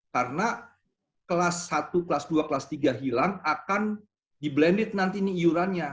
karena kelas satu kelas dua kelas tiga hilang akan di blended nanti ini iurannya